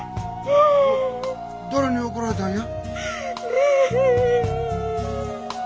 誰に怒られたんや？